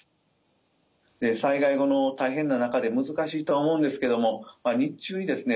災害後の大変な中で難しいとは思うんですけども日中にですね